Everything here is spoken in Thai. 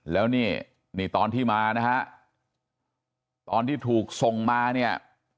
แล้วนี่นี่ตอนที่มานะฮะตอนที่ถูกส่งมาเนี่ย